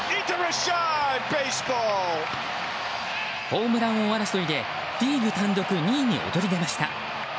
ホームラン王争いでリーグ単独２位に躍り出ました。